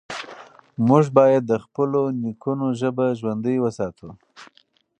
موږ بايد د خپلو نيکونو ژبه ژوندۍ وساتو.